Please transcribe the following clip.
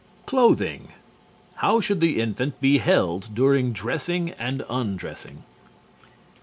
CLOTHING _How should the infant be held during dressing and undressing?